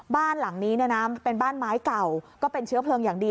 บ้านหลังนี้เนี่ยนะเป็นบ้านไม้เก่าก็เป็นเชื้อเพลิงอย่างดี